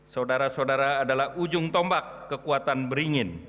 saudara saudara adalah ujung tombak kekuatan beringin